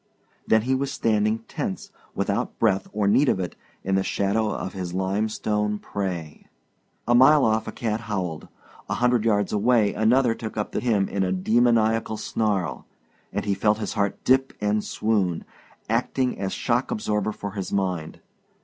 Then he was standing tense, without breath or need of it, in the shadow of his limestone prey. Interminably he listened a mile off a cat howled, a hundred yards away another took up the hymn in a demoniacal snarl, and he felt his heart dip and swoop, acting as shock absorber for his mind.